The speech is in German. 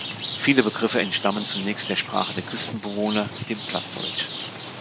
Viele Begriffe entstammen zunächst der Sprache der Küstenbewohner, dem Plattdeutsch.